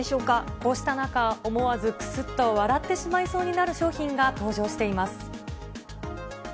こうした中、思わずくすっと笑ってしまいそうになる商品が登場しています。